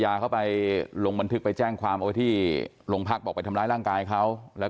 แต่เรื่องคดีเรื่องเจษฐีขึ้นสารก็ขึ้นอยู่แล้ว